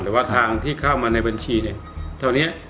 แต่ว่าทางที่เข้ามาในบัญชีเท่านี้